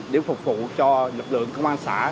để phục vụ cho lực lượng công an xã